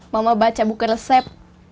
mama baca buku resep